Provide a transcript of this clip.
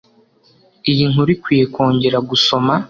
iyi nkuru ikwiye kongera gusoma